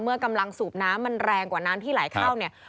เมื่อกำลังสูบน้ำมันแรงกว่าน้ำที่ไหลเข้าเนี่ย